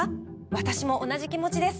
私も同じ気持ちです。